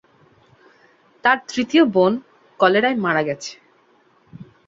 তার তৃতীয় বোন কলেরায় মারা গেছে।